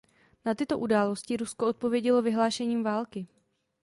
Na tyto události Rusko odpovědělo vyhlášením války.